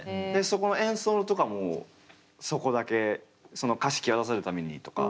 そこの演奏とかもそこだけその歌詞際立たせるためにとか？